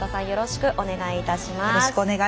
よろしくお願いします。